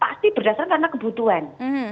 pasti berdasarkan kebutuhan